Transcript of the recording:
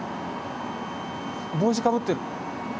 帽子かぶってる。